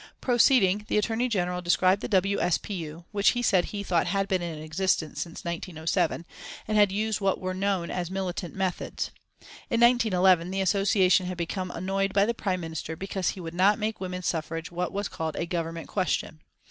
Proceeding, the Attorney General described the W. S. P. U., which he said he thought had been in existence since 1907, and had used what were known as militant methods. In 1911 the association had become annoyed by the Prime Minister because he would not make women's suffrage what was called a Government question.